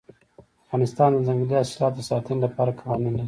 افغانستان د ځنګلي حاصلاتو د ساتنې لپاره قوانین لري.